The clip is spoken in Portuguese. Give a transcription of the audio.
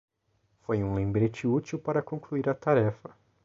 Foi um lembrete útil para concluir a tarefa.